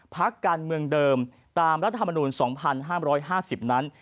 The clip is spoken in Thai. พักการเมืองเดิมตามรัฐธรรมนูล๒๕๕๐นั้น